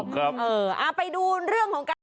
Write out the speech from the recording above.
ถูกครับเออไปดูเรื่องของกัน